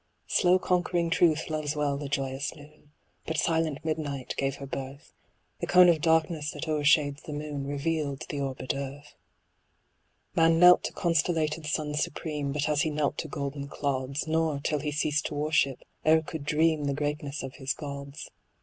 Slow conquering Truth loves well the joyous noon, But silent midnight gave her birth ; The cone of darkness that o'ershades the moon Revealed the orbed earth. Man knelt to constellated suns supreme, But as he knelt to golden clods. Nor, till he ceased to worship, e'er could dream The greatness of his gods.